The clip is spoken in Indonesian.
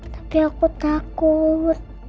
tapi aku takut